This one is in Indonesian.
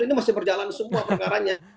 ini masih berjalan semua perkaranya